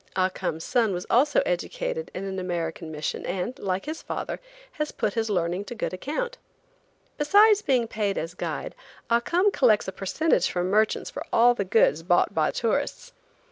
Ah Cum's son was also educated in an American mission, and, like his father, has put his learning to good account. Besides being paid as guide, Ah Cum collects a percentage from merchants for all the goods bought by tourists.